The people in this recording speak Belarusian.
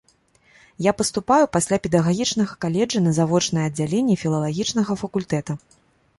Я паступаю пасля педагагічнага каледжа на завочнае аддзяленне філалагічнага факультэта.